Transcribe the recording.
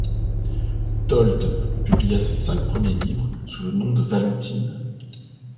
Thölde publia ses cinq premiers livres sous le nom de Valentine.